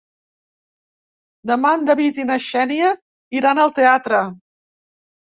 Demà en David i na Xènia iran al teatre.